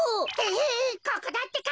ヘヘここだってか。